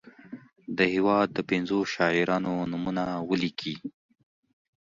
د هیواد د پنځو شاعرانو نومونه ولیکي.